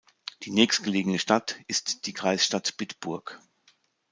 Die nächstgelegene Stadt ist die Kreisstadt Bitburg.